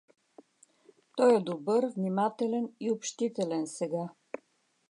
Той е добър, внимателен и общителен сега.